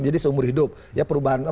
jadi seumur hidup ya perubahan